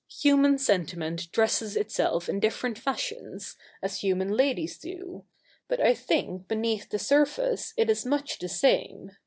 ' Human sentiment dresses itself in different fashions, as human ladies do ; but I think beneath the surface it is much the same.